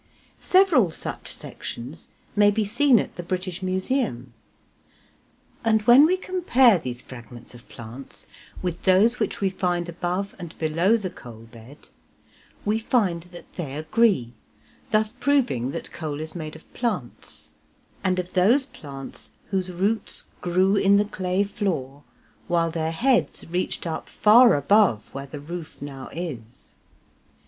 Several such sections may be seen at the British Museum, and when we compare these fragments of plants with those which we find above and below the coal bed, we find that they agree, thus proving that coal is made of plants, and of those plants whose roots grew in the clay floor, while their heads reached up far above where the roof now is.